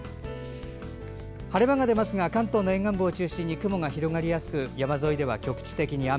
晴れ間が出ますが関東の沿岸部を中心に雲が広がりやすく山沿いでは局地的に雨。